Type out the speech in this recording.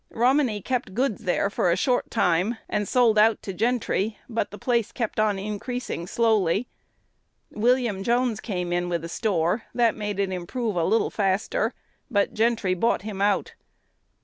Romine kept goods there a short time, and sold out to Gentry, but the place kept on increasing slowly. William Jones came in with a store, that made it improve a little faster, but Gentry bought him out.